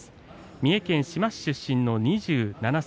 三重県志摩市出身の２７歳。